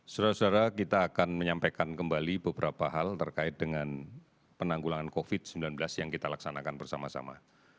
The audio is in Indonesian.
saudara saudara kita akan menyampaikan kembali beberapa hal terkait dengan penanggulangan covid sembilan belas yang kita laksanakan bersama sama